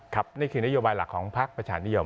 นี่คือนโยบายหลักของพักประชานิยม